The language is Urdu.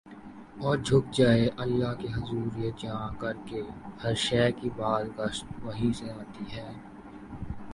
اور جھک جائیں اللہ کے حضور یہ جان کر کہ ہر شے کی باز گشت وہیں سے آتی ہے ۔